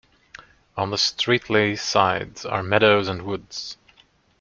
On the Streatley side are meadows and woods.